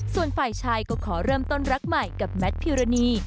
ส่วนฝ่ายชายก็ขอเริ่มต้นรักใหม่กับแมทพิรณี